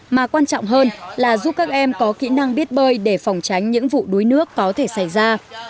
mà quan trọng hơn là giúp các em có kỹ năng biết bơi để phòng tránh những vụ đuối nước có thể xảy ra